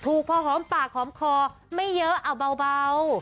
พอหอมปากหอมคอไม่เยอะเอาเบา